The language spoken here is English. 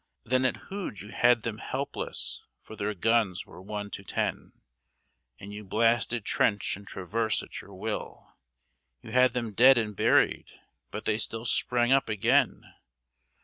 Then at Hooge you had them helpless, for their guns were one to ten, And you blasted trench and traverse at your will, You had them dead and buried, but they still sprang up again.